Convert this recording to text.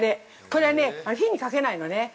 これね、火にかけないのね。